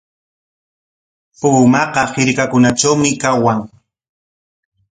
Pumaqa hirkakunatrawmi kawan.